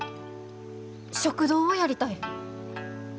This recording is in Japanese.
食堂をやりたい。